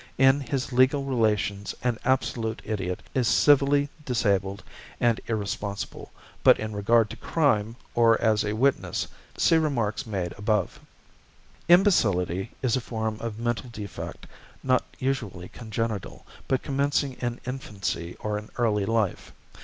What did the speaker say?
In his legal relations an absolute idiot is civilly disabled and irresponsible, but in regard to crime, or as a witness, see remarks made above. =Imbecility= is a form of mental defect not usually congenital, but commencing in infancy or in early life.